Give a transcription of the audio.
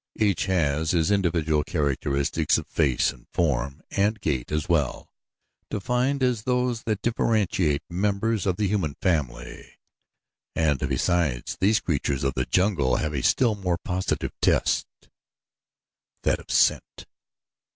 Each has his individual characteristics of face and form and gait as well defined as those that differentiate members of the human family, and besides these the creatures of the jungle have a still more positive test that of scent.